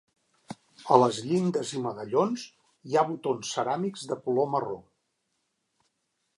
A les llindes i medallons hi ha botons ceràmics de color marró.